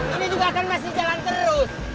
ini juga akan masih jalan terus